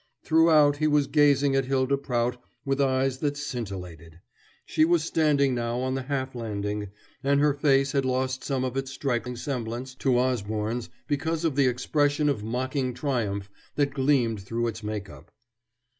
Throughout he was gazing at Hylda Prout with eyes that scintillated. She was standing now on the half landing, and her face had lost some of its striking semblance to Osborne's because of the expression of mocking triumph that gleamed through its make up.